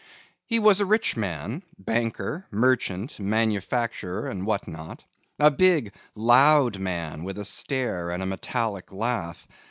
He was a rich man: banker, merchant, manufacturer, and what not. A big, loud man, with a stare, and a metallic laugh.